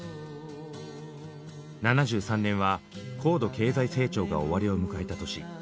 ７３年は高度経済成長が終わりを迎えた年。